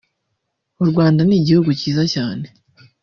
“U Rwanda ni igihugu cyiza cyane